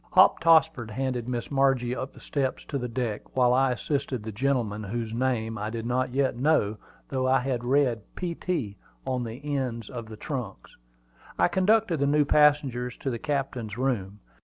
Hop Tossford handed Miss Margie up the steps to the deck, while I assisted the gentleman, whose name I did not yet know, though I had read "P. T." on the ends of the trunks. I conducted the new passengers to the captain's room.